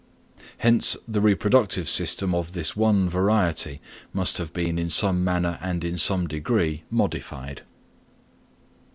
Hence the reproductive system of this one variety must have been in some manner and in some degree modified.